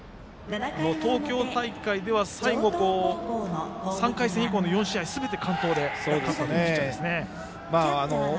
東京大会では最後３回戦以降の４試合すべて完投で勝ったピッチャーですね。